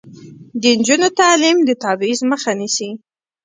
د نجونو تعلیم د تبعیض مخه نیسي.